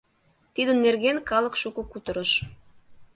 Тидын нерген калык шуко кутырыш.